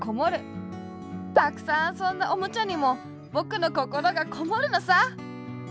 たくさんあそんだおもちゃにもぼくのこころがこもるのさ！